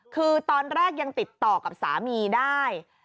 คือตอนแรกยังติดต่อกับสามีได้